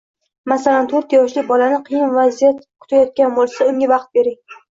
Masalan, to‘rt yoshli bolani qiyin vaziyat kutayotgan bo‘lsa, unga vaqt bering.